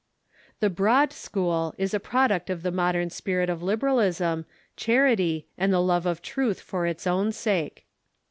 The iJroad School is a product of the modern spirit of liber alism, charity, and the love of truth for its own sake.